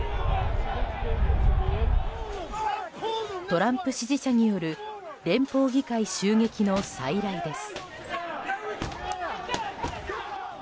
トランプ支持者による連邦議会襲撃の再来です。